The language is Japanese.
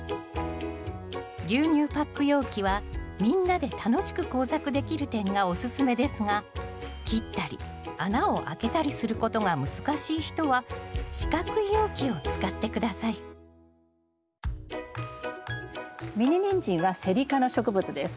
牛乳パック容器はみんなで楽しく工作できる点がおすすめですが切ったり穴をあけたりすることが難しい人は四角い容器を使って下さいミニニンジンはセリ科の植物です。